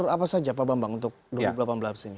apa saja pak bambang untuk dua ribu delapan belas ini